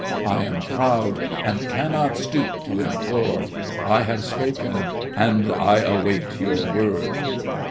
I am proud and cannot stoop to implore. I have spoken and I wait your word.